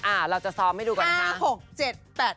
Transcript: เราจะซ้อมให้ดูก่อนนะคะ